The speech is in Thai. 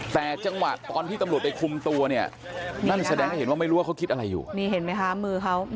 แต่จังหวะตอนที่ตำรวจไปคุมตัวเนี่ยนั้นแสดงก็เห็นว่าไม่รู้ว่าเขาคิดอะไรอยู่